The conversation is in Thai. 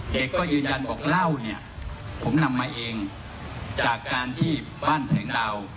แกก็ยืนยันบอกเล่าเนี่ยผมนำมาเองจากการที่บ้านแสงดาว